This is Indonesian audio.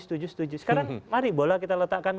setuju setuju sekarang mari bola kita letakkan